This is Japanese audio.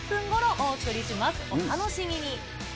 お楽しみに。